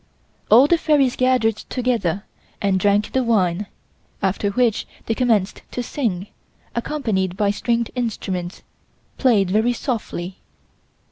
All the fairies gathered together and drank the wine, after which they commenced to sing, accompanied by stringed instruments, played very softly.